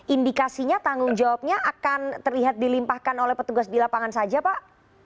indikasinya tanggung jawabnya akan terlihat dilimpahkan oleh petugas di lapangan saja pak